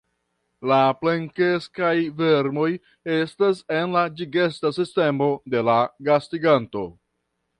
La plenkreskaj vermoj estas en la digesta sistemo de la gastiganto.